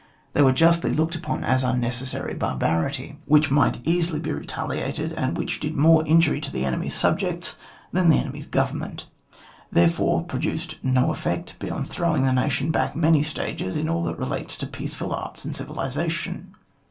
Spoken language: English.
They were justly looked upon as imnecessary barbarity, which might easily be retaliated, and which did more injury to the enemy^s subjects than the enemy's government, therefore, produced no effect beyond throwing the nation back many stages in all that relates to peaceful arts and civilisation.